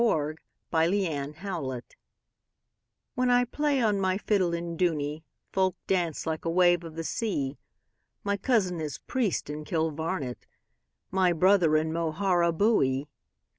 11. The Fiddler of Dooney WHEN I play on my fiddle in Dooney, Folk dance like a wave of the sea; My cousin is priest in Kilvarnet, My brother in Moharabuiee.